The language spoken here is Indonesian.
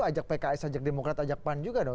ajak pks ajak demokrat ajak pan juga dong